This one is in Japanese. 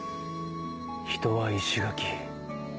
人は石垣。